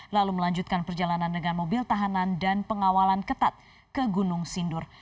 lalu melanjutkan perjalanan dengan mobil tahanan dan pengawalan ketat ke gunung sindur